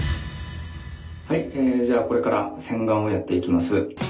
はいじゃあこれから洗顔をやっていきます。